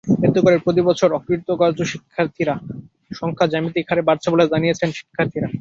এতে করে প্রতিবছর অকৃতকার্য শিক্ষার্থীর সংখ্যা জ্যামিতিক হারে বাড়ছে বলে জানিয়েছেন শিক্ষার্থীরা।